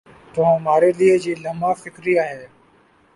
تو ہمارے لئے یہ لمحہ فکریہ ہے۔